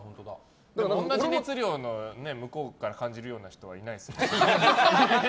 同じ熱量を向こうから感じる人はいないですよね。